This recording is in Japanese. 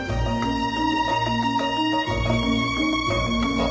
あっ。